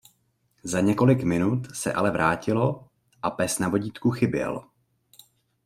Za několik minut se ale vrátilo a pes na vodítku chyběl.